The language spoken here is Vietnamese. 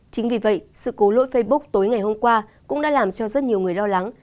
chính vì vậy sự cố lỗi facebook tối ngày hôm qua cũng đã làm cho rất nhiều người lo lắng